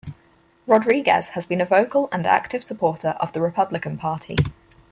Rodriguez has been a vocal and active supporter of the Republican Party.